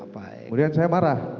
kemudian saya marah